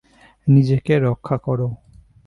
নিজেকে রক্ষা করো।